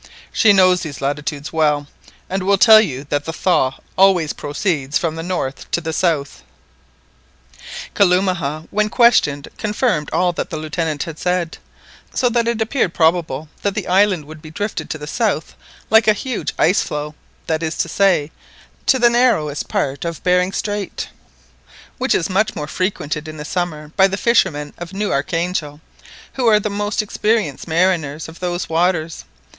She knows these latitudes well, and will tell you that the thaw always proceeds from the north to the south." Kalumah when questioned confirmed all that the Lieutenant had said, so that it appeared probable that the island would be drifted to the south like a huge ice floe, that is to say, to the narrowest part of Behring Strait, which is much frequented in the summer by the fishermen of New Archangel, who are the most experienced mariners of those waters.